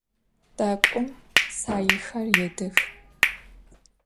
Dak'om saêxer yêdıx.